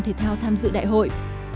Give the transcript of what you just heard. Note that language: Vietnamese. thể thao tham dự đại hội